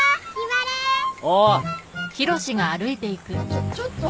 ちょちょっと。